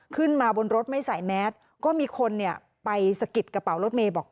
ขึ้นมาบนรถไม่ใส่แมสก็มีคนเนี่ยไปสะกิดกระเป๋ารถเมย์บอก